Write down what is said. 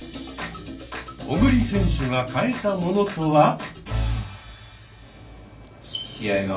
小栗選手が変えたものとは。